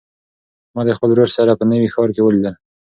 ما د خپل ورور سره په نوي ښار کې ولیدل.